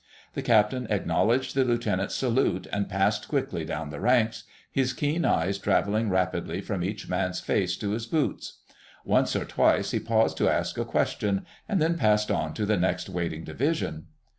The Captain acknowledged the Lieutenant's salute and passed quickly down the ranks, his keen eyes travelling rapidly from each man's face to his boots. Once or twice he paused to ask a question and then passed on to the next waiting Division.